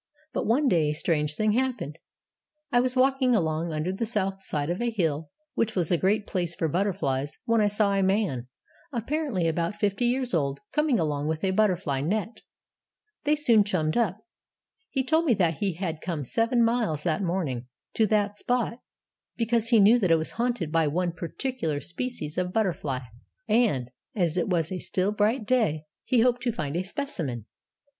But one day a strange thing happened. 'I was walking along under the south side of a hill, which was a great place for butterflies, when I saw a man, apparently about fifty years old, coming along with a butterfly net.' They soon chummed up. 'He told me that he had come seven miles that morning to that spot, because he knew that it was haunted by one particular species of butterfly; and, as it was a still, bright day, he hoped to find a specimen.'